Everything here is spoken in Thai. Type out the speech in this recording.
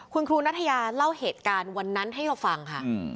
คุณครูนัทยาเล่าเหตุการณ์วันนั้นให้เราฟังค่ะ